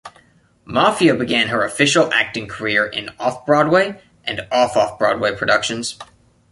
Maffia began her official acting career in Off-Broadway and Off-Off-Broadway productions.